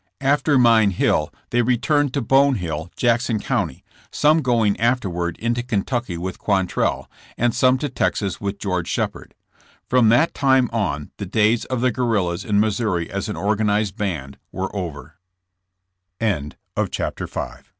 After Mine Hill they returned to Bone Hill, Jackson County, some going afterward into Kentucky with Quantrell, and some to Texas with George Shepherd. From that time on the days of the guerrillas in Missouri as an organized band were over. CHAPTER VI.